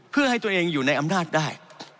เพื่อให้ตัวเองอยู่ในอำนาจได้